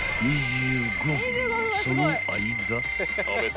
［その間］